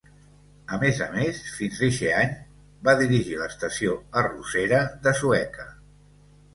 A més a més, fins eixe any va dirigir l'Estació Arrossera de Sueca.